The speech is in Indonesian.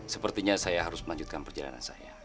sepertinya saya harus melanjutkan perjalanan saya